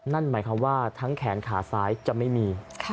นั่นหมายความว่าทั้งแขนขาซ้ายจะไม่มี